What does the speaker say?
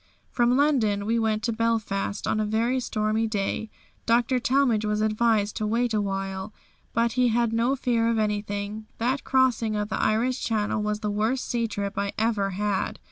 From London we went to Belfast, on a very stormy day. Dr. Talmage was advised to wait a while, but he had no fear of anything. That crossing of the Irish Channel was the worst sea trip I ever had.